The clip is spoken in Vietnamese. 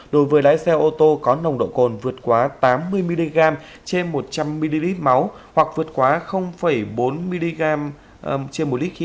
đối với lái xe ô tô có nồng độ cồn vượt quá tám mươi mg trên một trăm linh ml máu hoặc vượt quá bốn mg trên một lít khí thở